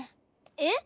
えっ？